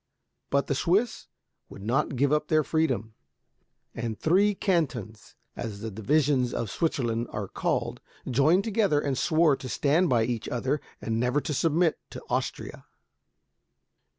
But the Swiss would not give up their freedom; and three cantons, as the divisions of Switzerland are called, joined together, and swore to stand by each other, and never to submit to Austria.